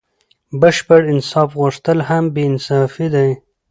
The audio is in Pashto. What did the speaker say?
بشپړ انصاف غوښتل هم بې انصافي دئ.